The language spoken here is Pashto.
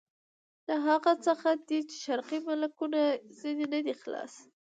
دا هغه څه دي چې شرقي ملکونه ځنې نه دي خلاص.